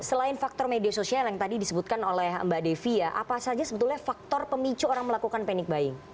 selain faktor media sosial yang tadi disebutkan oleh mbak devi ya apa saja sebetulnya faktor pemicu orang melakukan panic buying